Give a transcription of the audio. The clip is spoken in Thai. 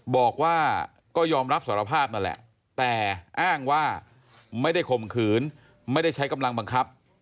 บอกว่าก็ยอมรับสารภาพนั่นแหละแต่อ้างว่าไม่ได้ข่มขืนไม่ได้ใช้กำลังบังคับ